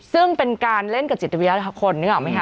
ซึ่งเป็นการเล่นกับจิตวิทยาคนนึกออกไหมค